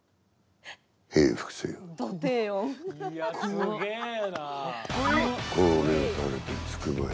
すげえなあ！